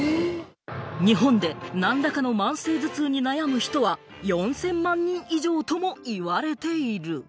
日本で何らかの慢性頭痛に悩む人は４０００万人以上とも言われている。